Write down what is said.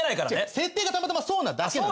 設定がたまたまそうなだけなの。